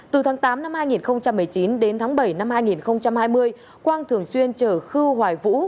từ tháng tám năm hai nghìn một mươi chín đến tháng bảy năm hai nghìn hai mươi quang thường xuyên chở khư hoài vũ